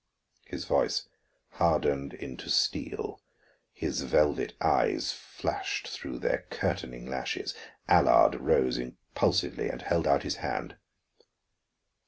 His voice hardened into steel, his velvet eyes flashed through their curtaining lashes. Allard rose impulsively and held out his hand.